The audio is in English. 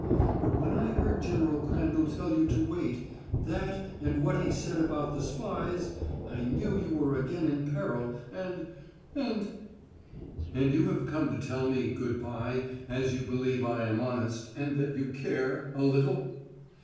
But when I heard General Crandall tell you to wait that and what he said about the spies I knew you were again in peril, and and " "And you have come to me to tell me as good by you believe I am honest and that you care a little?"